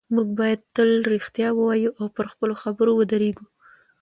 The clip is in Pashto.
موږ باید تل رښتیا ووایو او پر خپلو خبرو ودرېږو